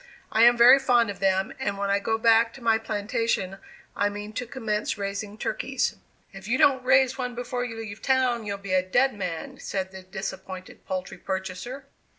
I am very fond of them, and when I go back to my plantation I mean to commence raising turkeys." "If you don't raise one before you leave town, you'll be a dead man," said the disappointed poultry purchaser.